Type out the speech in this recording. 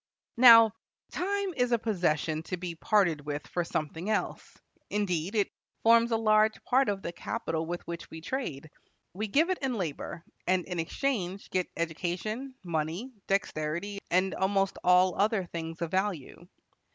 Now, time is a possession to be parted with for something else; indeed, it forms a large part of the capital with which we trade. We give it and labor, and in exchange get education, money, dexterity, and almost all other things of value.